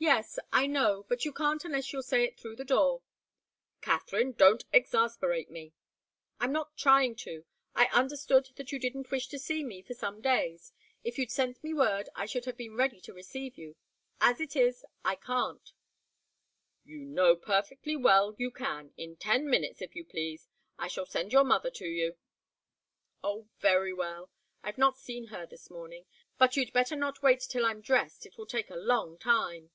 "Yes I know. But you can't unless you'll say it through the door." "Katharine! Don't exasperate me!" "I'm not trying to. I understood that you didn't wish to see me for some days. If you'd sent me word, I should have been ready to receive you. As it is, I can't." "You know perfectly well that you can, in ten minutes, if you please. I shall send your mother to you." "Oh very well. I've not seen her this morning. But you'd better not wait till I'm dressed. It will take a long time."